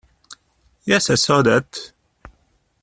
Yes, I saw that.